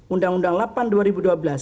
undang undang delapan dua ribu dua belas